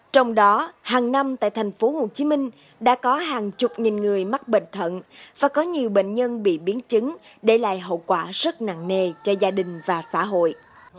trong đó hàng năm tại thành phố hồ chí minh đã có hàng chục nghìn người mắc bệnh thận và có nhiều bệnh nhân bị biến chứng để lại hậu quả rất nặng nề cho gia đình và xã hội